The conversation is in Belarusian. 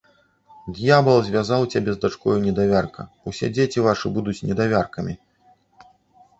Д'ябал звязаў цябе з дачкою недавярка, усе дзеці вашы будуць недавяркамі!